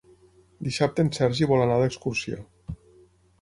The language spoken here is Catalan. Dissabte en Sergi vol anar d'excursió.